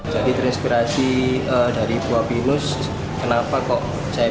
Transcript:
jadi terinspirasi dari buah pinus kenapa kok saya pilih